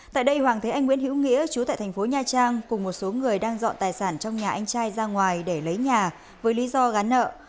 tại đây hoàng thế anh nguyễn hữu nghĩa chú tại thành phố nha trang cùng một số người đang dọn tài sản trong nhà anh trai ra ngoài để lấy nhà với lý do gắn nợ